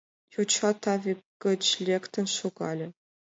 Йоча таве гыч лектын шогале.